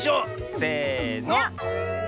せの！